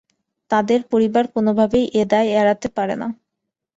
তাদের পরিবার কোনোভাবেই এ দায় এড়াতে পারে না।